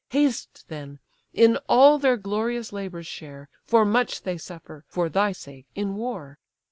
Haste then, in all their glorious labours share, For much they suffer, for thy sake, in war.